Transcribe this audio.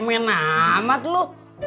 cemen amat lu